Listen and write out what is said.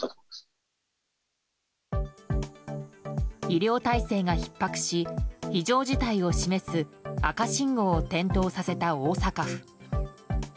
医療体制がひっ迫し非常事態を示す赤信号を点灯させた大阪府。